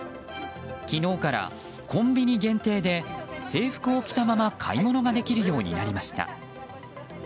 昨日からコンビニ限定で制服を着たまま買い物ができるようになりました。